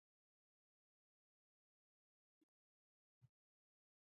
بې ننګي مه کوه جانانه.